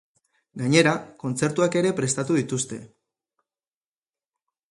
Gainera, kontzertuak ere prestatu dituzte.